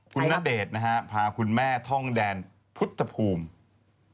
คุณณเดชน์นะฮะพาคุณแม่ท่องแดนพุทธภูมิ